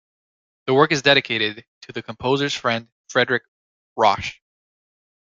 The work is dedicated to the composer's friend Friedrich Rosch.